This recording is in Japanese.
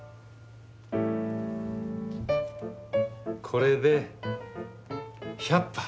これで１００羽。